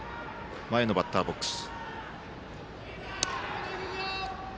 前のバッターボックス。